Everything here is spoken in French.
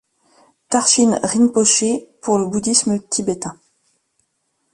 Tharchin Rinpoché pour le bouddhisme tibétain.